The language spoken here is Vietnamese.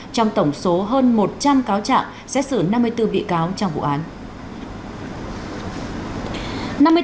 trong tổng số hơn một trăm linh cáo trạng xét xử năm mươi bốn bị cáo trong vụ án